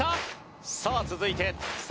さあ続いて侍